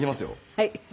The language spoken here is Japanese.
はい。